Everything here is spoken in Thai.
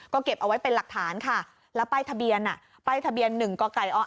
ก็เก็บเอาไว้เป็นหลักฐานค่ะแล้วป้ายทะเบียนป้ายทะเบียน๑กไก่อ